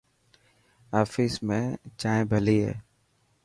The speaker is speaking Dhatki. آفيس ۾ چائنا ڀلي هي.